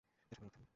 এসবের অর্থ কী?